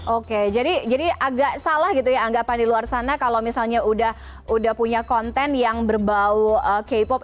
oke jadi agak salah gitu ya anggapan di luar sana kalau misalnya udah punya konten yang berbau k pop